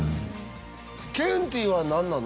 ケンティーは何なの？